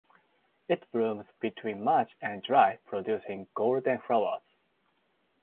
It blooms between March and July producing golden flowers.